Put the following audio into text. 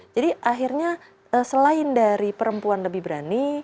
jadi akhirnya selain dari perempuan lebih berani